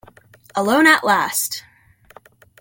Alone at last!